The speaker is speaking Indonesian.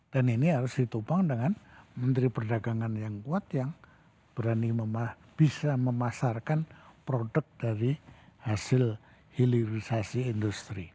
dan ini harus ditumpang dengan menteri perdagangan yang kuat yang berani bisa memasarkan produk dari hasil hilirisasi industri